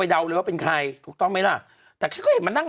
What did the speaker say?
ไปเดาเลยว่าเป็นใครถูกต้องไหมน่ะแต่ชิคกี้พายเห็นมานั่ง